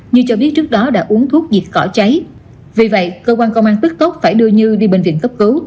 như cho biết trước đó đã uống thuốc diệt cỏ cháy vì vậy cơ quan công an tức tốc phải đưa như đi bệnh viện cấp cứu